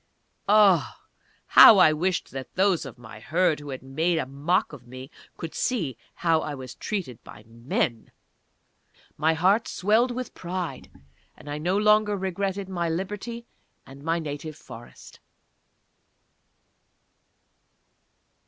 _ Ah! how I wished that those of my Herd who had made a mock of me could see how I was treated by Men! My heart swelled with pride, and I no longer regretted my liberty and my native Forest.